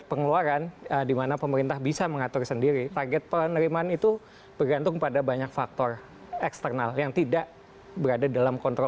pemerintahan joko widodo